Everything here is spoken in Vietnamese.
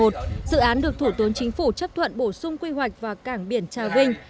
dự án được thủ tướng chính phủ chấp thuận bổ sung quy hoạch vào cảng biển trà vinh